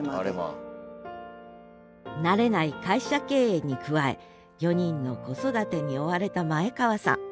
慣れない会社経営に加え４人の子育てに追われた前川さん。